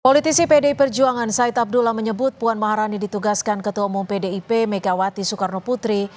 politisi pdi perjuangan said abdullah menyebut puan maharani ditugaskan ketua umum pdip megawati soekarno putri